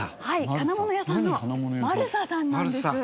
金物屋さんのマルサさんなんです。